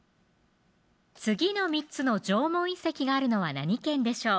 次の３つの縄文遺跡があるのは何県でしょう